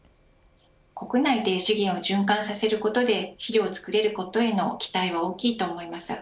国内で資源を循環させることで肥料を作れることへの期待は大きいと思います。